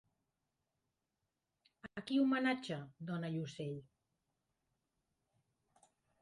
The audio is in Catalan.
A qui homenatja Dona i ocell?